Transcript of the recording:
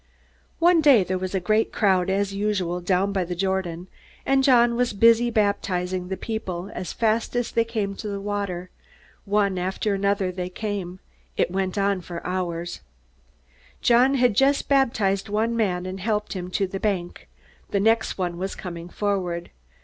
One day there was a great crowd, as usual, down by the Jordan, and John was busy baptizing the people as fast as they came to the water. One after another they came. It went on for hours. John had just baptized one man and helped him to the bank. The next one was coming forward.